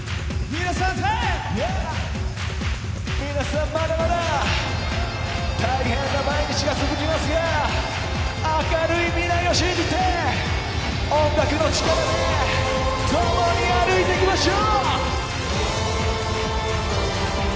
皆さん、まだまだ大変な毎日が続きますが、明るい未来を信じて、音楽の力で共に歩いていきましょう！